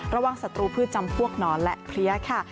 ระหว่างศัตรูพืชจำพวกนอนและเพลียค่ะ